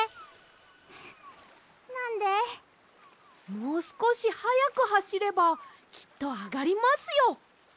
もうすこしはやくはしればきっとあがりますよ。